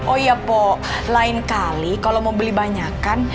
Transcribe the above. oh iya po lain kali kalau mau beli banyakan